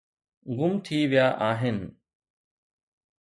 گم ٿي ويا آهن